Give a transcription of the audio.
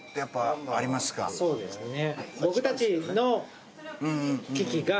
そうですね。